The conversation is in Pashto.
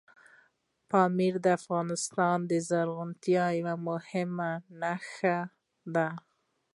پامیر د افغانستان د زرغونتیا یوه مهمه نښه ده.